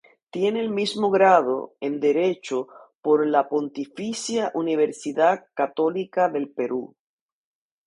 Tiene el mismo grado, en Derecho, por la Pontificia Universidad Católica del Perú.